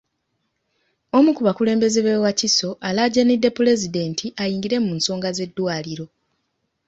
Omu ku bakulembeze b'e Wakiso alaajanidde Pulezidenti ayingire mu nsonga z'eddwaliro.